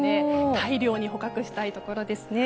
大量に捕獲したいところです。